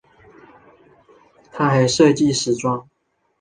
她还设计时装。